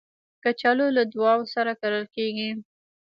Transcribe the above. کچالو له دعاوو سره کرل کېږي